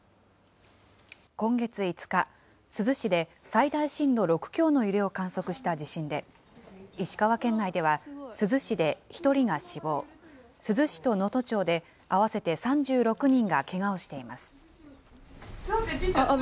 今月５日、珠洲市で最大震度６強の揺れを観測した地震で、石川県内では１人が死亡、珠洲市と能登町で合わせて３６人がけがをしています。